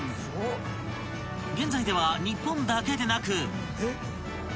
［現在では日本だけでなく］